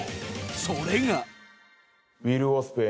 それが